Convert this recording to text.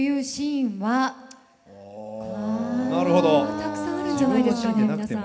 たくさんあるんじゃないですか皆さん。